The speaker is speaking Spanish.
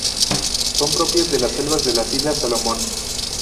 Son propios de las selvas de las Islas Salomón.